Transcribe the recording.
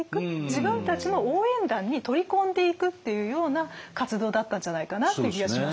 自分たちの応援団に取り込んでいくっていうような活動だったんじゃないかなっていう気がしますね。